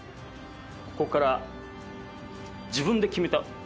ここから自分で決めた運命じゃ。